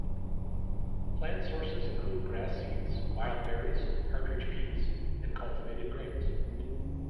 Plant sources include grass seeds, wild berries, partridge peas, and cultivated grains.